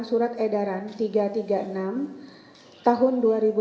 surat edaran tiga ratus tiga puluh enam tahun dua ribu dua puluh